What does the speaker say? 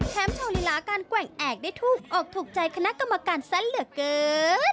โชว์ลีลาการแกว่งแอกได้ถูกออกถูกใจคณะกรรมการซะเหลือเกิน